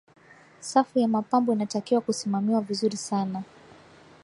safu ya mapambo inatakiwa kusimamiwa vizuri sana